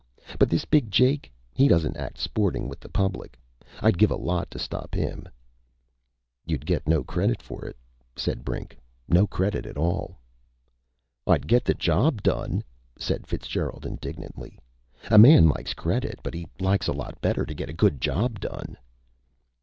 But this Big Jake, he doesn't act sporting with the public. I'd give a lot to stop him." "You'd get no credit for it," said Brink. "No credit at all." "I'd get the job done!" said Fitzgerald indignantly. "A man likes credit, but he likes a lot better to get a good job done!"